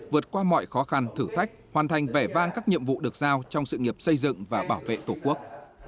vượt qua mọi khó khăn thử thách hoàn thành vẻ vang các nhiệm vụ được giao trong sự nghiệp xây dựng và bảo vệ tổ quốc